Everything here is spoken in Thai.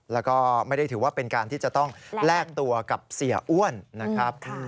แล้วก็ไม่ได้ถือว่าเป็นการที่จะต้องแลกตัวกับเสียอ้วนนะครับ